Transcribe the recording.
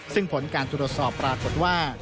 ซึ่งผลการตรวจสอบปรากฏว่า